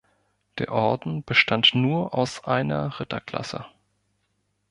Der Orden bestand nur aus einer Ritterklasse.